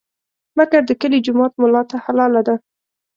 مګر د کلي جومات ملا ته حلاله ده.